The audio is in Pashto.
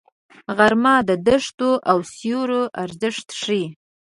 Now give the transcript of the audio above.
غرمه د دښتو او سیوریو ارزښت ښيي